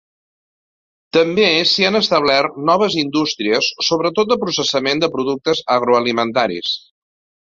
També s'hi han establert noves indústries, sobretot de processament de productes agroalimentaris.